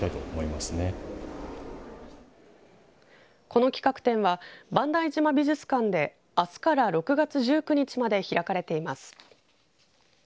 この企画展は、万代島美術館であすから６月１９日まで開かれています。